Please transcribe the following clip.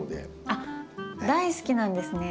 あっ大好きなんですね。